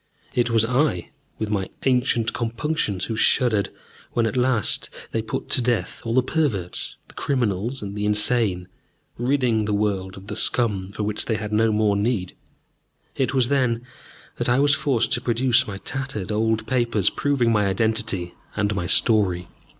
It was I, with my ancient compunctions, who shuddered when at last they put to death all the perverts, the criminals, and the insane, ridding the world of the scum for which they had no more need. It was then that I was forced to produce my tattered old papers, proving my identity and my story.